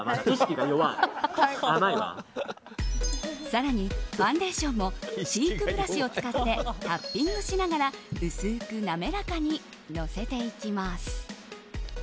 更にファンデーションもチークブラシを使ってタッピングしながら薄くなめらかにのせていきます。